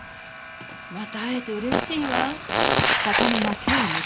また会えて嬉しいわ。